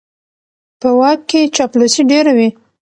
په واک کې چاپلوسي ډېره وي.